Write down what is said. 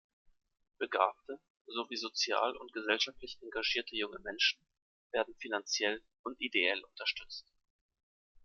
Begabte sowie sozial und gesellschaftlich engagierte junge Menschen werden finanziell und ideell unterstützt.